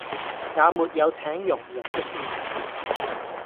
也沒有請佣人的念頭